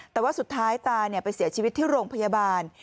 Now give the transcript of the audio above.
แต่ว่าสุดท้ายตาไปเสียชีวิตที่โรงพยาบาล